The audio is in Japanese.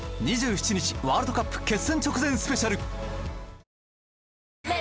２７日、ワールドカップ決戦直前スペシャル。